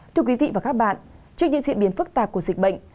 thưa quý vị và các bạn trước những diễn biến phức tạp của dịch bệnh